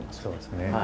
そうですね。